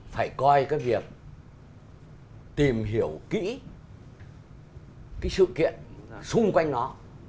phải coi cái việc tìm hiểu kỹ cái sự kiện xung quanh nó